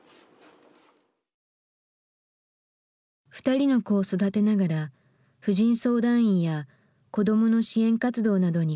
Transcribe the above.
２人の子を育てながら婦人相談員や子どもの支援活動などに奔走。